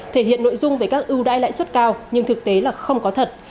thể hiện nội dung về các ưu đãi lãi suất cao nhưng thực tế là không có thật